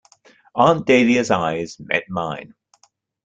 Aunt Dahlia's eyes met mine.